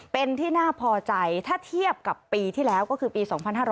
เป็นที่น่าพอใจถ้าเทียบกับปีที่แล้วก็คือปี๒๕๕๙